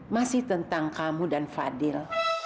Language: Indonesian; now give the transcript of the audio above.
masih tentang kamu dan fadil